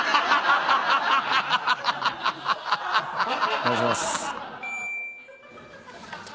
お願いします。